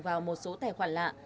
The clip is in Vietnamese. vào một số tài khoản lạ